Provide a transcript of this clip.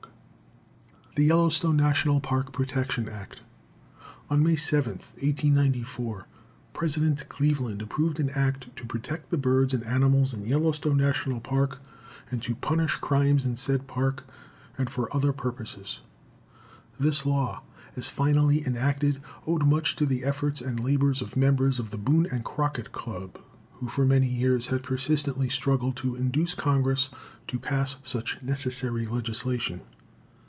_ The Yellowstone National Park Protection Act On May 7, 1894, President Cleveland approved an Act "to protect the birds and animals in Yellowstone National Park, and to punish crimes in said Park, and for other purposes." This law, as finally enacted, owed much to the efforts and labor of members of the Boone and Crockett Club, who for many years had persistently struggled to induce Congress to pass such necessary legislation.